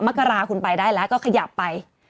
มกราคุณไปได้แล้วก็ขยับไป